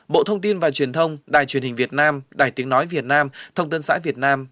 bộ thông tin và truyền thông đài truyền hình việt nam đài tiếng nói việt nam thông tân xã việt nam